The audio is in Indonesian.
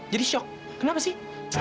jadi shock kenapa sih